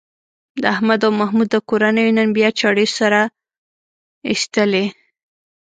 د احمد او محمود کورنیو نن بیا چاړې سره ایستلې.